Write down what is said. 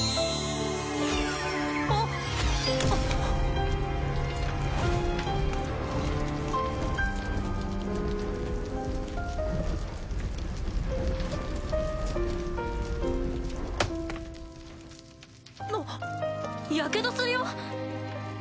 ア！ア。やけどするよ？